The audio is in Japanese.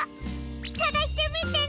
さがしてみてね！